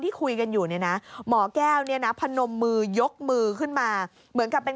คุยกันอยู่เนี่ยนะหมอแก้วเนี่ยนะพนมมือยกมือขึ้นมาเหมือนกับเป็น